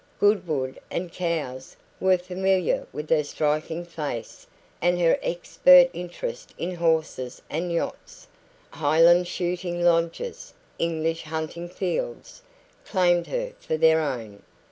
Goodwood and Cowes were familiar with her striking face and her expert interest in horses and yachts; Highland shooting lodges, English hunting fields, claimed her for their own.